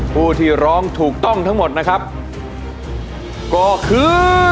ผู้ที่ร้องถูกต้องทั้งหมดนะครับก็คือ